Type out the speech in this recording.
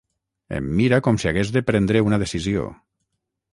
Em mira com si hagués de prendre una decisió.